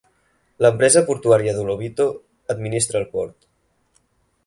L'Empresa Portuaria do Lobito administra el port.